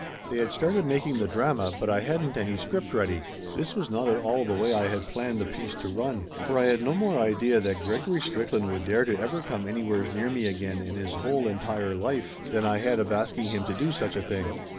They had started making the drama, but I hadn't any script ready. This was not at all the way I had planned the piece to run, for I had no more idea that Gregory Strickland would dare to ever come anywheres near me again in his whole entire life, than I had of asking him to do such a thing.